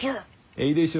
えいでしょ？